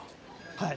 はい。